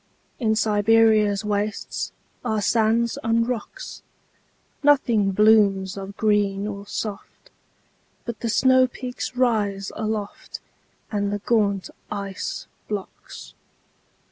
In Siberia's wastesAre sands and rocks. Nothing blooms of green or soft, But the snowpeaks rise aloftAnd the gaunt ice blocks.